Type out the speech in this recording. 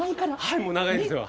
はいもう長いんですよ。